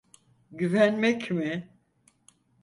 Güvenmek mi?